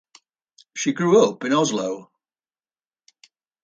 She grew up in Oslo.